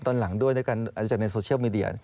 ตอนหลังด้วยในการรู้จักในโซเชียลมีเดีย